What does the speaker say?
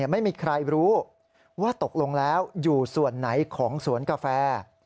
ไม่มีใครรู้ว่าตกลงแล้วอยู่ส่วนไหนของสวนกาแฟ